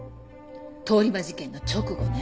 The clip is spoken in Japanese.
通り魔事件の直後ね。